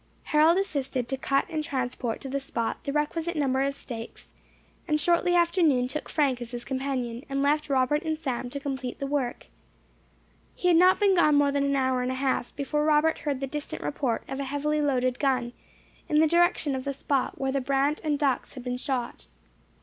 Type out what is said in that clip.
Harold assisted to cut and transport to the spot the requisite number of stakes; and shortly after noon took Frank as his companion, and left Robert and Sam to complete the work. He had not been gone more than an hour and a half, before Robert heard the distant report of a heavily loaded gun, in the direction of the spot where the brant and ducks had been shot.